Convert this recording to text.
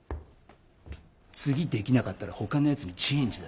次できなかったらほかのやつにチェンジだ。